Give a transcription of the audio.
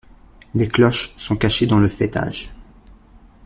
Les cloches sont cachées dans le faîtage.